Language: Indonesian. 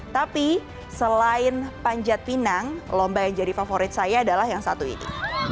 tapi selain panjat pinang lomba yang jadi favorit saya adalah yang satu ini